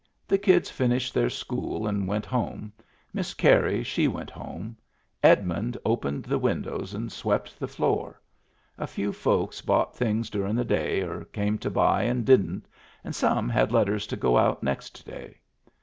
The kids finished their school and went home. Miss Carey she went home. Edmund opened the win dows and swept the floor. A few folks bought things durin* the day, or came to buy and didn't, and some had letters to go out next day.